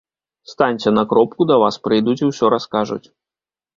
Станьце на кропку, да вас прыйдуць і ўсё раскажуць.